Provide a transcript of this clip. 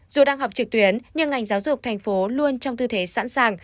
dù đang học trực tuyến nhưng ngành giáo dục tp hcm luôn trong tư thế sẵn sàng